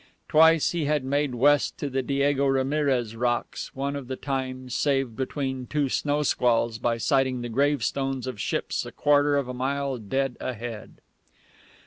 Twice he had made west to the Diego Ramirez Rocks, one of the times saved between two snow squalls by sighting the gravestones of ships a quarter of a mile dead ahead.